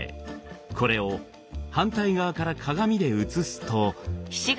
これを反対側から鏡で映すと。